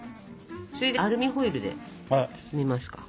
それでアルミホイルで包みますか。